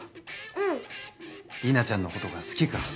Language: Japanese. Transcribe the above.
うん莉奈ちゃんのことが好きか